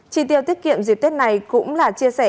chi tiêu tiết kiệm dịp tết này cũng là chia sẻ